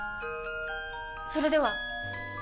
それでは！